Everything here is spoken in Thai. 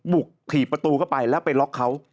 ถีบประตูเข้าไปแล้วไปล็อกเขา